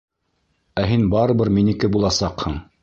Ә һин барыбер минеке буласаҡһың!